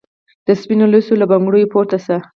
د سپینو لېڅو له بنګړو پورته سه